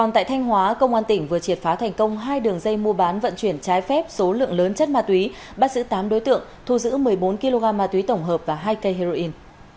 tại thanh hóa công an tỉnh vừa triệt phá thành công hai đường dây mua bán vận chuyển trái phép số lượng lớn chất ma túy bắt giữ tám đối tượng thu giữ một mươi bốn kg ma túy tổng hợp và hai cây heroin